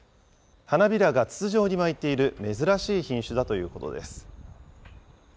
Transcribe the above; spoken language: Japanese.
花びらが筒状に巻いている珍しい品種だということです。